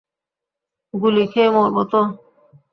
গুলি খেয়ে মরবো তো।